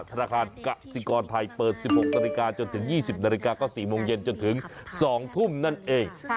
ธนาคารกสิกรไทยเปิด๑๖นาฬิกาจนถึง๒๐นาฬิกาก็๔โมงเย็นจนถึง๒ทุ่มนั่นเอง